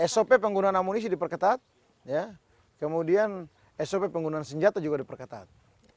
sop penggunaan amunisi diperketat kemudian sop penggunaan senjata juga diperketat